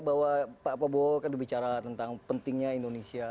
bahwa pak prabowo kan bicara tentang pentingnya indonesia